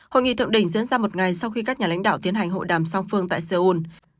hội nghị thượng đỉnh diễn ra một ngày sau khi các nhà lãnh đạo tiến hành hội đàm song phương tại seoul